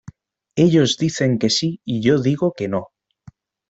Ellos dicen que sí y yo digo que no.